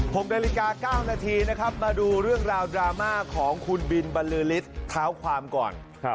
๖นาฬิกาเก้านาทีนะครับมาดูเรื่องราวดราม่าของคุณบินบรรลือฤทธิ์เท้าความก่อน